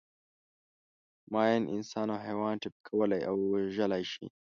ماین انسان او حیوان ټپي کولای او وژلای شي.